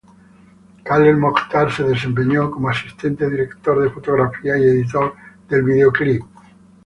Khaled Mokhtar se desempeñó como asistente, director de fotografía y editor del videoclip.